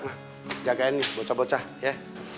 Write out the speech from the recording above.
ah jagain nih bocah bocah ya